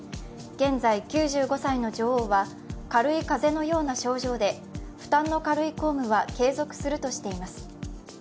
現在９５歳の女王は、軽い風邪のような症状で、負担の軽い公務は継続するとしています。